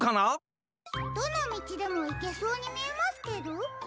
どのみちでもいけそうにみえますけど。